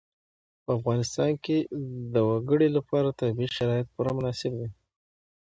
په افغانستان کې د وګړي لپاره طبیعي شرایط پوره مناسب دي.